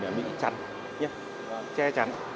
che chắn nhé che chắn